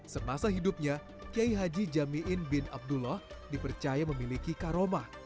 semasa hidupnya qiyai haji jami'in bin abdullah dipercaya memiliki karomah